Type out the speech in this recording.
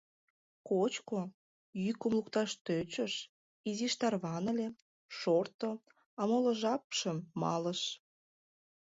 Кочко, йӱкым лукташ тӧчыш, изиш тарваныле, шорто, а моло жапшым малыш.